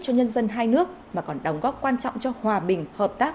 cho nhân dân hai nước mà còn đóng góp quan trọng cho hòa bình hợp tác